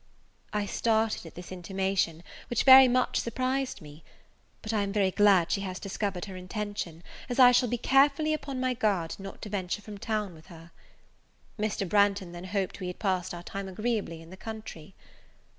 I started at this intimation, which very much surprised me. But, I am very glad she has discovered her intention, as I shall be carefully upon my guard not to venture from town with her. Mr. Branghton then hoped we had passed our time agreeably in the country.